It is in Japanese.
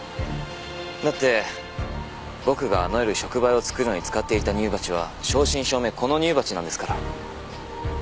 だって僕があの夜触媒を作るのに使っていた乳鉢は正真正銘この乳鉢なんですから。